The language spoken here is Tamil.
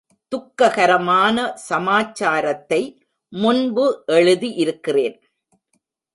துக்ககரமான சமாச்சாரத்தை முன்பு எழுதியிருக்கிறேன்.